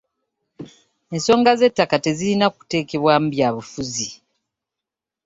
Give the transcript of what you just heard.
Ensonga z'ettaka tezirina kuteekebwamu byabufuzi.